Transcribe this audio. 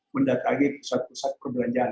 mendatangi pusat pusat perbelanjaan